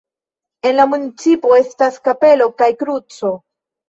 En la municipo estas kapelo kaj kruco.